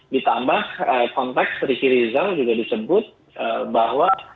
ditambah konteks ricky rizal juga disebut bahwa